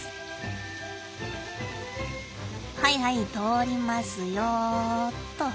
はいはい通りますよっと。